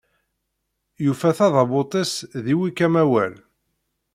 Yufa tabadut-s di Wikamawal.